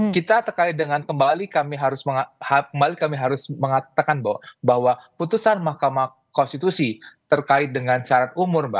kita terkait dengan kembali kami harus mengatakan bahwa putusan mahkamah konstitusi terkait dengan syarat umur